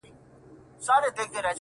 برلاسی لیدلی هغسي د نثر په برخه کي هم